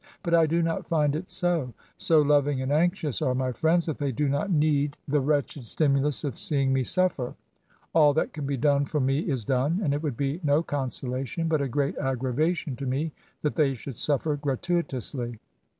But I do not find it so. So loving and anxious are my friends, that they do not need the SYMPATHY TO THE INVALID. 33 wretched stimulus of seeing me suffer. All that can be done for me is done ; and it would be no consolation^ but a great aggravation to me^ that they should suffer gratuitously.